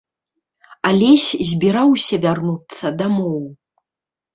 Алесь збіраўся вярнуцца дамоў.